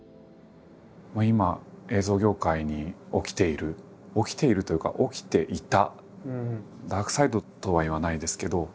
今映像業界に起きている起きているというか起きていたダークサイドとは言わないですけど。